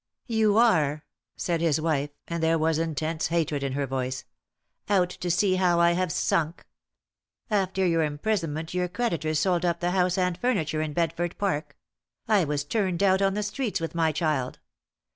"You are," said his wife, and there was intense hatred in her voice. "Out to see how I have sunk. After your imprisonment your creditors sold up the house and furniture in Bedford park; I was turned out on the streets with my child.